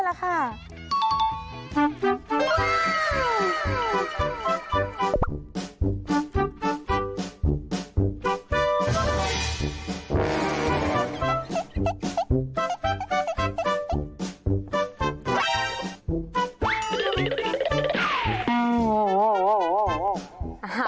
โอ้โฮโอ้โฮโอ้โฮ